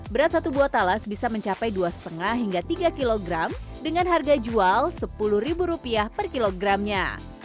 berat satu buah talas bisa mencapai dua lima hingga tiga kilogram dengan harga jual rp sepuluh per kilogramnya